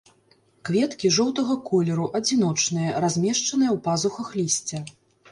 Кветкі жоўтага колеру, адзіночныя, размешчаныя ў пазухах лісця.